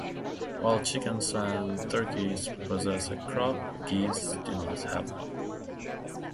While chickens and turkeys possess a crop, geese do not have one.